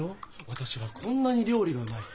「私はこんなに料理がうまい。